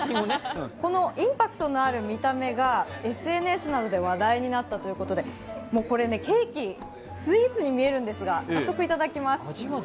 このインパクトのある見た目が、ＳＮＳなどで話題になったということで、ケーキ、スイーツに見えるんですが早速いただきます。